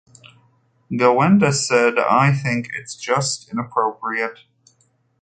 Gawenda said I think it's just inappropriate.